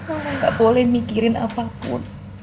kamu gak boleh mikirin apapun